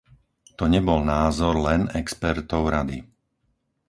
To nebol názor len expertov Rady.